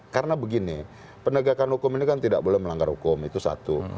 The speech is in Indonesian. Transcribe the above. karena begini penegakan hukum ini kan tidak boleh melanggar hukum itu satu